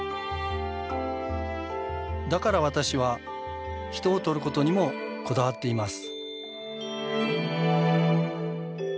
だから私は人を撮ることにもこだわっています。